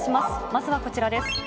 まずはこちらです。